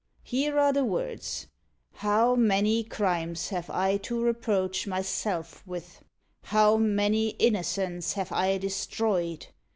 Here are the words: 'How many crimes have I to reproach myself with! How many innocents have I destroyed!